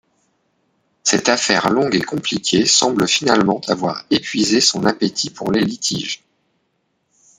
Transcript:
Cette affaire longue et compliquée semble finalement avoir épuisé son appétit pour les litiges.